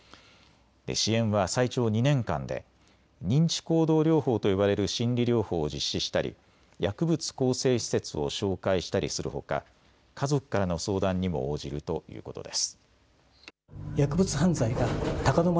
支援は最長２年間で認知行動療法と呼ばれる心理療法を実施したり薬物更生施設を紹介したりするほか、家族からの相談にも応じるということです。